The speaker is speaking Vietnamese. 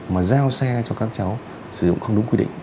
mà giao xe cho các cháu sử dụng không đúng quy định